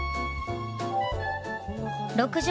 ６０